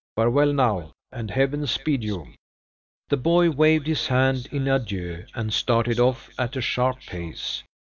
"Farewell now, and Heaven speed you!" The boy waved his hand in adieu, and started off at a sharp pace.